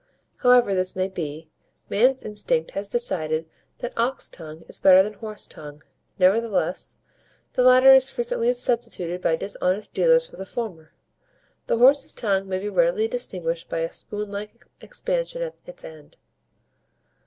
However this may be, man's instinct has decided that ox tongue is better than horse tongue; nevertheless, the latter is frequently substituted by dishonest dealers for the former. The horse's tongue may be readily distinguished by a spoon like expansion at its end.